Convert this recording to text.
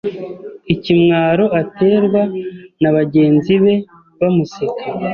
ikimwaro aterwa na bagenzi be bamuseka.